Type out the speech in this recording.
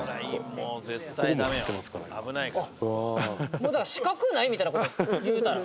もうだから死角ないみたいな事ですかいうたら。